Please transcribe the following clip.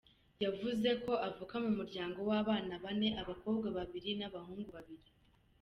Yavuze avuka mu muryango w’abana bane, abakobwa babiri n’abahungu babiri.